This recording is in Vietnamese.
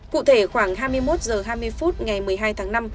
cụ thể khoảng hai mươi một h hai mươi phút ngày một mươi hai tháng năm